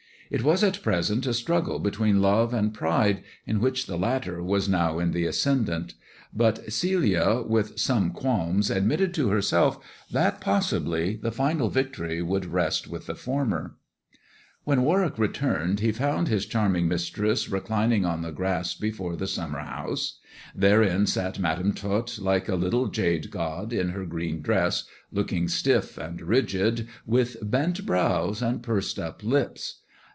It was at present a struggle between Love and Pride, in which the latter was now in the THE DWARFS CHAMBER 97 tw^ndant ; but Celia, with some qualms, admitted to herself that possibly the final victory would rest with the former. When Warwick returned he found his charming mistrese reclining on the grass before the summer house. Therein sat Madam Tot, like a little jade god, in her green dress, looking stiff and rigid, with bent brows and pursed up lips.